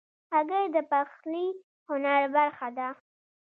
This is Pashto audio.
هګۍ د پخلي هنر برخه ده.